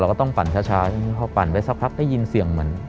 ก็ต้องปั่นช้าใช่ไหมพอปั่นไปสักพักได้ยินเสียงเหมือน